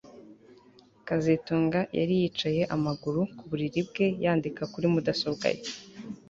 kazitunga yari yicaye amaguru ku buriri bwe yandika kuri mudasobwa ye